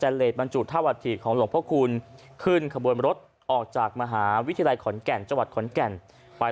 กระบวนการต่อไปก็จะเป็นการก่อสร้างตะแกรงขนาดใหญ่